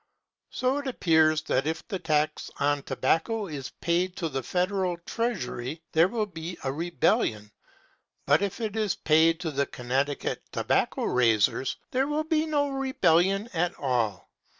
So it appears that if the tax on tobacco is paid to the Federal Treasury there will be a rebellion, but if it is paid to the Connecticut tobacco raisers there will be no rebellion at all.